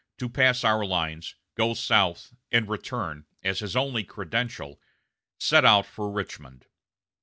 to pass our lines, go south and return," as his only credential, set out for Richmond.